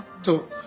そう。